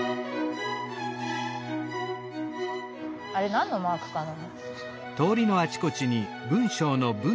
あれなんのマークかな？